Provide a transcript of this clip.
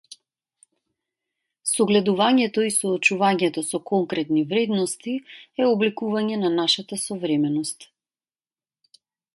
Согледувањето и соочувањето со конкретни вредности е обликување на нашата современост.